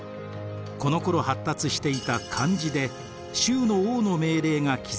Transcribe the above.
このころ発達していた漢字で周の王の命令が刻まれています。